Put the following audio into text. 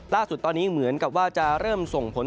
ล่าสุดตอนนี้เหมือนกับว่าจะเริ่มส่งผล